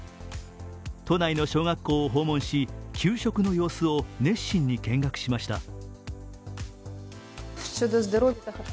都内の小学校を訪問し、給食の様子を熱心に見学しました。